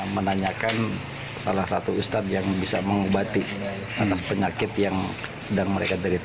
menanyakan salah satu ustad yang bisa mengubati penyakit yang sedang mereka teritakan